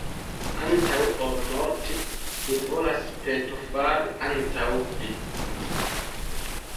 antaŭ ol morti, mi volas pentofari antaŭ vi!